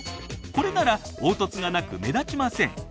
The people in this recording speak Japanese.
これなら凹凸がなく目立ちません！